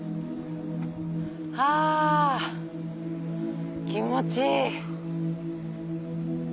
ハァ気持ちいい。